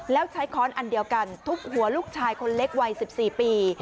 แล้วใช้ค้อนอันเดียวกันทุบหัวลูกชายคนเล็กวัย๑๔ปี